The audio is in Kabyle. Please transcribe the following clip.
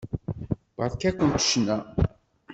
Beṛka-kent ccna.